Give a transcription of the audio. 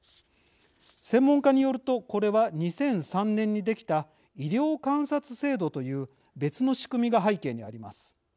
専門家によるとこれは２００３年に出来た医療観察制度という別の仕組みが背景にあります。